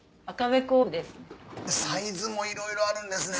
サイズもいろいろあるんですね。